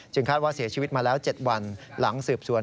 คาดว่าเสียชีวิตมาแล้ว๗วันหลังสืบสวน